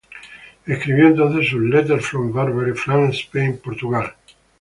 Escribió entonces sus "Letters from Barbarie, France, Spain, Portugal...".